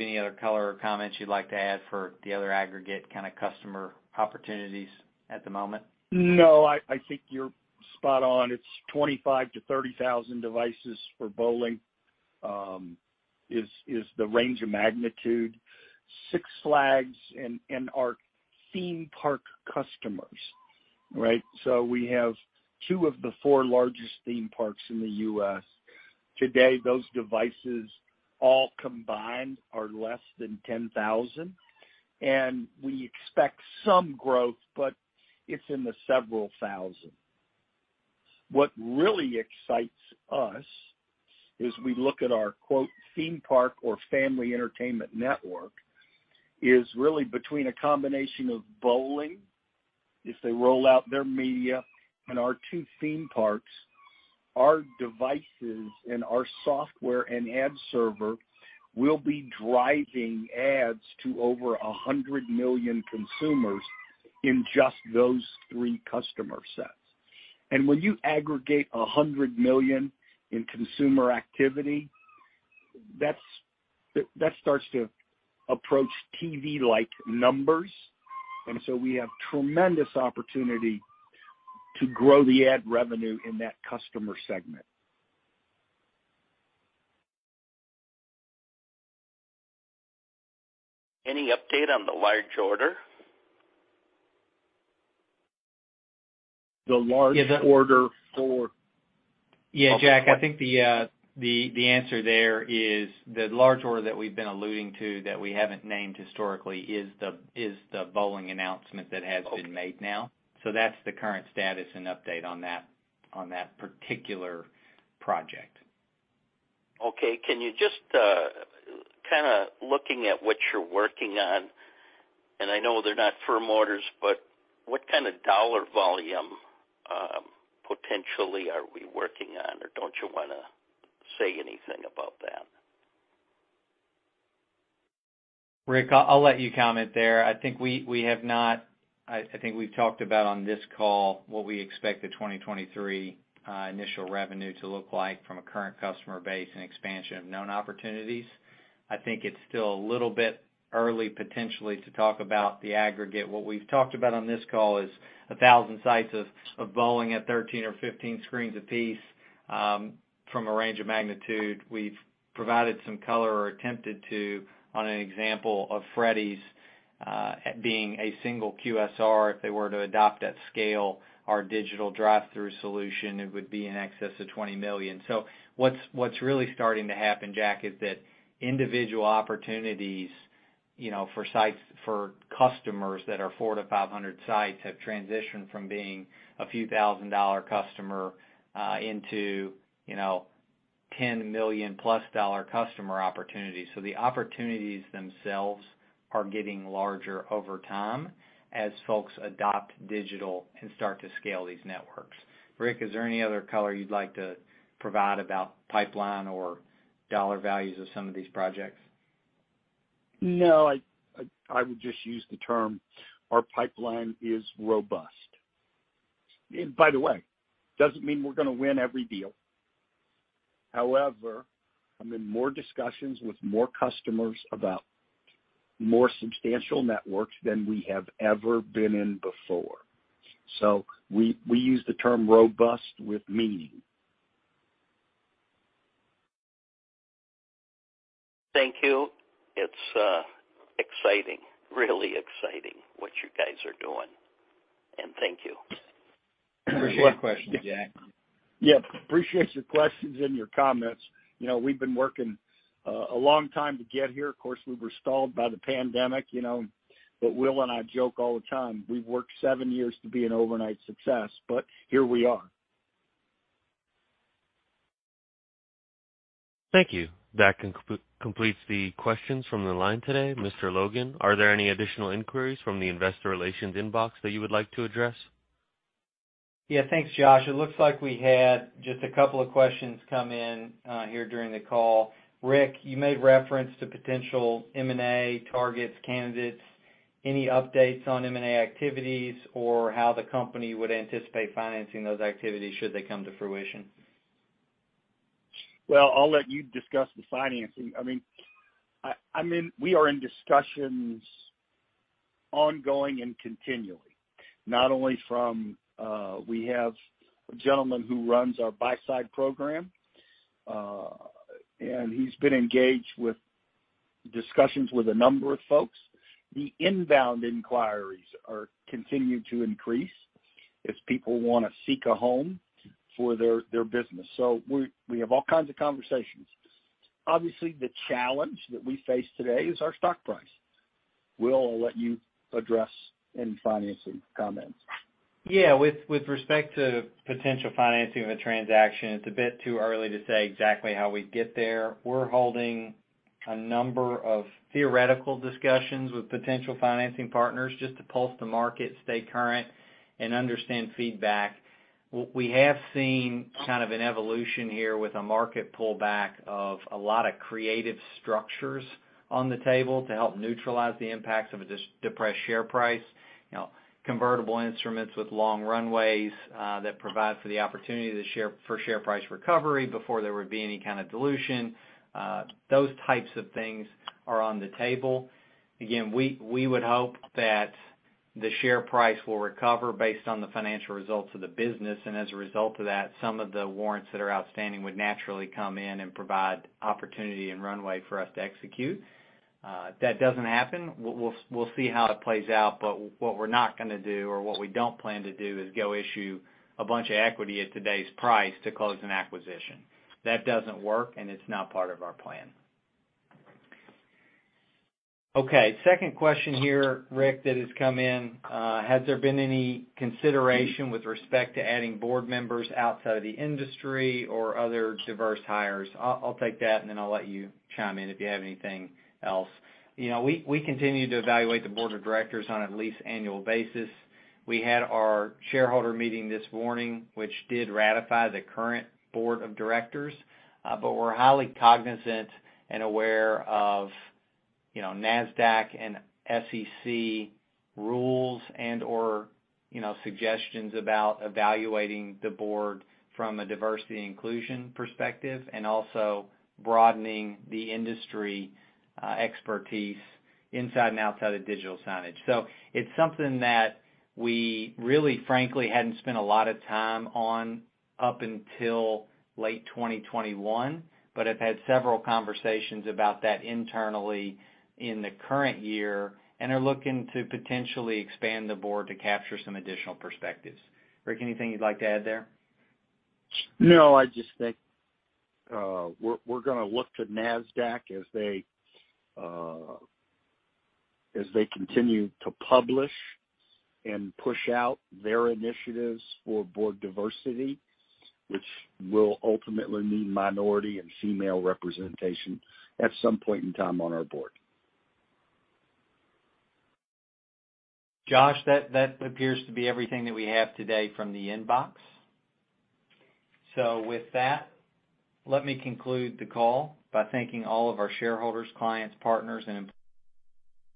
any other color or comments you'd like to add for the other aggregate kind of customer opportunities at the moment? No, I think you're spot on. It's 25,000-30,000 devices for bowling, is the range of magnitude. Six Flags and our theme-park customers, right? We have two of the four largest theme parks in the U.S. Today, those devices all combined are less than 10,000. We expect some growth, but it's in the several thousand. What really excites us is we look at our "theme park" or family-entertainment network is really between a combination of bowling, if they roll out their media, and our two theme parks. Our devices and our software and ad server will be driving ads to over 100 million consumers in just those three customer sets. When you aggregate 100 million in consumer activity, that starts to approach TV-like numbers. We have tremendous opportunity to grow the ad revenue in that customer segment. Any update on the large order? The large order for? Yeah, Jack, I think the answer there is the large order that we've been alluding to that we haven't named historically is the bowling announcement that has been made now. That's the current status and update on that particular project. Okay. Can you just kind of looking at what you're working on and I know they're not firm orders, but what kind of dollar volume potentially are we working on? Or don't you want to say anything about that? Rick, I'll let you comment there. I think we've talked about on this call what we expect the 2023 initial revenue to look like from a current customer base and expansion of known opportunities. I think it's still a little bit early potentially to talk about the aggregate. What we've talked about on this call is 1,000 sites of bowling at 13 or 15 screens apiece from a range of magnitude. We've provided some color or attempted to on an example of Freddy's being a single QSR, if they were to adopt at scale our digital drive-through solution, it would be in excess of $20 million. What's really starting to happen, Jack, is that individual opportunities for customers that are 400-500 sites have transitioned from being a few $1,000 customer into $10 million+ customer opportunities. The opportunities themselves are getting larger over time as folks adopt digital and start to scale these networks. Rick, is there any other color you'd like to provide about pipeline or dollar values of some of these projects? No, I would just use the term our pipeline is robust. By the way, it doesn't mean we're going to win every deal. However, I'm in more discussions with more customers about more substantial networks than we have ever been in before. We use the term robust with meaning. Thank you. It's exciting, really exciting what you guys are doing. Thank you. Appreciate your questions, Jack. Yep. Appreciate your questions and your comments. We've been working a long time to get here. Of course, we were stalled by the pandemic. Will and I joke all the time, we've worked seven years to be an overnight success. Here we are. Thank you. That completes the questions from the line today, Mr. Logan. Are there any additional inquiries from the investor relations inbox that you would like to address? Yeah. Thanks, Josh. It looks like we had just a couple of questions come in here during the call. Rick, you made reference to potential M&A targets, candidates. Any updates on M&A activities or how the company would anticipate financing those activities should they come to fruition? Well, I'll let you discuss the financing. I mean, we are in discussions ongoing and continually, not only from we have a gentleman who runs our buy-side program, and he's been engaged with discussions with a number of folks. The inbound inquiries continue to increase as people want to seek a home for their business. We have all kinds of conversations. Obviously, the challenge that we face today is our stock price. Will, I'll let you address any financing comments. Yeah. With respect to potential financing of a transaction, it's a bit too early to say exactly how we get there. We're holding a number of theoretical discussions with potential financing partners just to pulse the market, stay current, and understand feedback. We have seen kind of an evolution here with a market pullback of a lot of creative structures on the table to help neutralize the impacts of a depressed share price, convertible instruments with long runways that provide for the opportunity for share price recovery before there would be any kind of dilution. Those types of things are on the table. Again, we would hope that the share price will recover based on the financial results of the business. As a result of that, some of the warrants that are outstanding would naturally come in and provide opportunity and runway for us to execute. If that doesn't happen, we'll see how it plays out. What we're not going to do or what we don't plan to do is go issue a bunch of equity at today's price to close an acquisition. That doesn't work, and it's not part of our plan. Okay. Second question here, Rick, that has come in. Has there been any consideration with respect to adding board members outside of the industry or other diverse hires? I'll take that, and then I'll let you chime in if you have anything else. We continue to evaluate the board of directors on at least an annual basis. We had our shareholder meeting this morning, which did ratify the current board of directors. We're highly cognizant and aware of Nasdaq and SEC rules and/or suggestions about evaluating the board from a diversity and inclusion perspective and also broadening the industry expertise inside and outside of digital signage. It's something that we really, frankly, hadn't spent a lot of time on up until late 2021 but have had several conversations about that internally in the current year and are looking to potentially expand the board to capture some additional perspectives. Rick, anything you'd like to add there? No, I just think we're going to look to Nasdaq as they continue to publish and push out their initiatives for board diversity, which will ultimately mean minority and female representation at some point in time on our board. Josh, that appears to be everything that we have today from the inbox. With that, let me conclude the call by thanking all of our shareholders, clients, partners, and employees for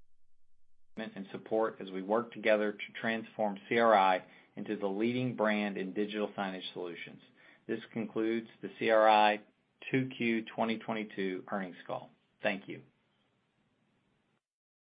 their commitment and support as we work together to transform CRI into the leading brand in digital signage solutions. This concludes the CRI 2Q 2022 earnings call. Thank you.